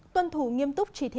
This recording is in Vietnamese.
tuân thủ nghiêm túc chỉ thiện